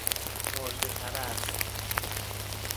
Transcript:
مرده پرست